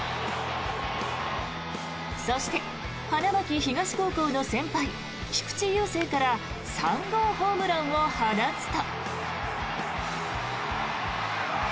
そして、花巻東高校の先輩菊池雄星から３号ホームランを放つと。